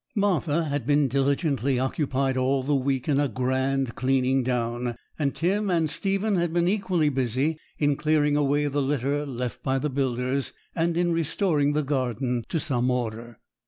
Martha had been diligently occupied all the week in a grand cleaning down; and Tim and Stephen had been equally busy in clearing away the litter left by the builders, and in restoring the garden to some order.